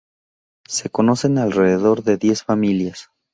Se conocen alrededor de diez familias.